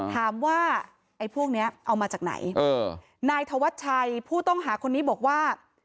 ไอ้พวกเนี้ยเอามาจากไหนนายธวัชชัยผู้ต้องหาคนนี้บอกว่า